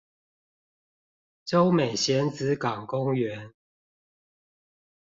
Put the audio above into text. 洲美蜆仔港公園